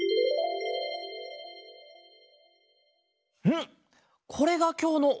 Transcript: うん！